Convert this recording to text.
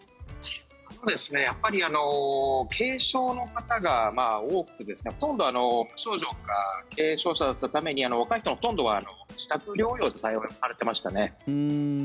やっぱり軽症の方が多くてほとんど無症状か軽症者だったために若い人のほとんどは自宅療養で対応されてましたね。